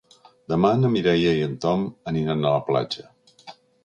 Demà na Mireia i en Tom aniran a la platja.